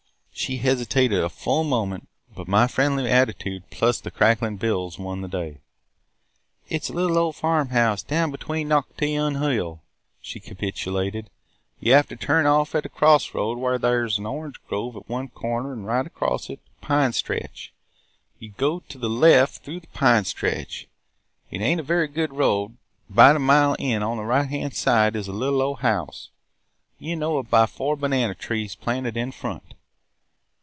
"She hesitated a full moment, but my friendly attitude – plus the crackling bills – won the day. "'It 's a little old farm house – down between Nocatee an' Hull,' she capitulated. 'You have to turn off at a cross road where thyar 's a orange grove at one corner an' right across from it a pine stretch. You go to the left through the pine stretch; it ain't a very good road. 'Bout a mile in, on the right hand side, is a little old house. You 'll know it by four banana trees planted in front.